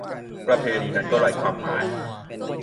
ประเพณีนั้นก็ไร้ความหมาย